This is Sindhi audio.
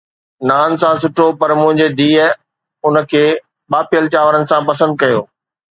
نان سان سٺو پر منهنجي ڌيءَ ان کي ٻاڦيل چانورن سان پسند ڪيو